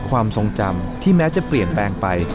ความทรงจำที่แม้จะเปลี่ยนแปลงไป